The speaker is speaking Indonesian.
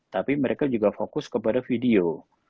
tapi mereka juga fokus kepada video